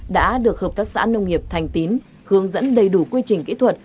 đã được hợp tác xã nông nghiệp thành tín hướng dẫn đầy đủ quy trình kỹ thuật